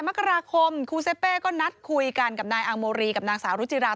มกราคมครูเซเป้ก็นัดคุยกันกับนายอังโมรีกับนางสาวรุจิรา